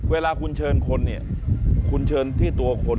เวลาคุณเชิญคนเนี่ยคุณเชิญที่ตัวคน